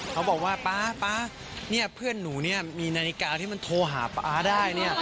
เขาบอกว่าป๊าป๊าเนี่ยเพื่อนหนูเนี่ยมีนาฬิกาที่มันโทรหาป๊าได้เนี่ย